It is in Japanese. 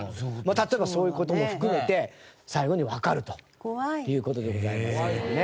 例えばそういう事も含めて最後にわかるという事でございますけどもね。